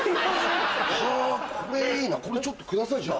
はぁこれいいなこれちょっと下さいじゃあ。